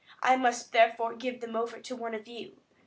I must therefore give them over to one of you.